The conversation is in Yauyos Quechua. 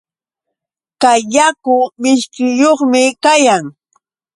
Kay yaku mishkiyuqmi kayan.